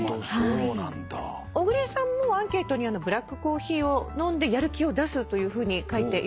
小栗さんもアンケートにブラックコーヒーを飲んでやる気を出すというふうに書いていましたけども。